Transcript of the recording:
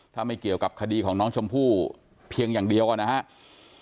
ถ้าไม่เกี่ยวกับคดีของน้องชมพู่เพียงอย่างเดียวนะครับ